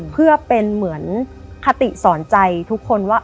เพื่อเป็นเหมือนคติสอนใจทุกคนว่า